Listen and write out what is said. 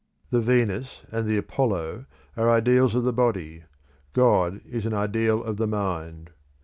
The Venus and the Apollo are ideals of the body; God is an ideal of the mind.